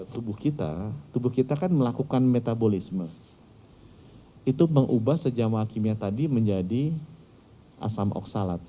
tubuh kita tubuh kita kan melakukan metabolisme itu mengubah senyawa kimia tadi menjadi asam oksalat